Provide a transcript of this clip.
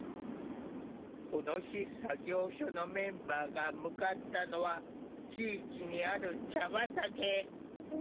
この日作業所のメンバーが向かったのは地域にある茶畑。